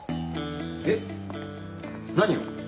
えっ何を？